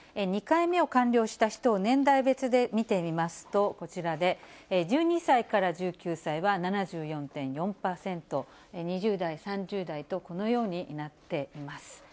２回目を完了した人を年代別で見てみますと、こちらで、１２歳から１９歳は７４．４％、２０代、３０代と、このようになっています。